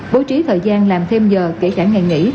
bố trí thời gian làm thêm giờ kể cả ngày nghỉ